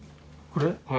これ。